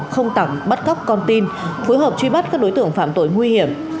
không tặng bắt cóc con tin phối hợp truy bắt các đối tượng phạm tội nguy hiểm